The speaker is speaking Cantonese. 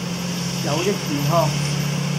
有益健康